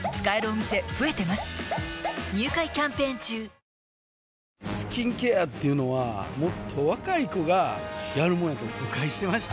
そしてスキンケアっていうのはもっと若い子がやるもんやと誤解してました